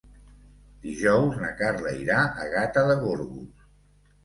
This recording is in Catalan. Dijous na Carla irà a Gata de Gorgos.